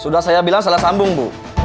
sudah saya bilang salah sambung bu